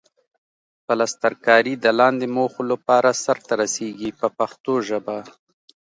پلسترکاري د لاندې موخو لپاره سرته رسیږي په پښتو ژبه.